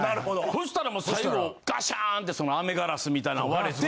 そしたらもう最後ガシャーン！って飴ガラスみたいなん割れて。